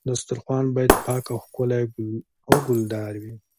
دسترخوان باید پاک او ښکلی او ګلدار وي.